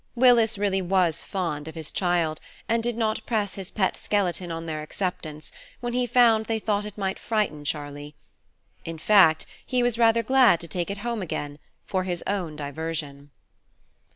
Willis really was fond of his child, and did not press his pet skeleton on their acceptance when he found they thought it might frighten Charlie. In fact, he was rather glad to take it home again, for his own diversion.